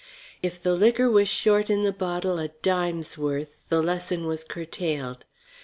If the liquor was short in the bottle a dime's worth, the lesson was curtailed.